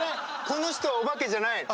この人は、おばけじゃない！